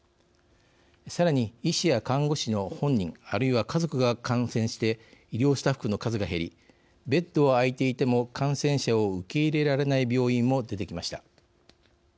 さらに、医師や看護師の本人、あるいは家族が感染して医療スタッフの数が減りベッドは空いていても感染者を受け入れられない病院も出てきました。